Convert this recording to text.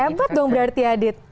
hebat dong berarti adit